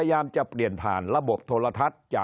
คนในวงการสื่อ๓๐องค์กร